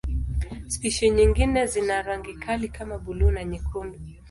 Spishi nyingine zina rangi kali kama buluu na nyekundu.